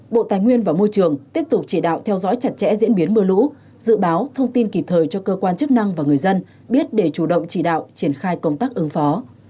bộ tài nguyên và môi trường tiếp tục chỉ đạo theo dõi chặt chẽ diễn biến mưa lũ dự báo thông tin kịp thời cho cơ quan chức năng và người dân biết để chủ động chỉ đạo triển khai công tác ứng phó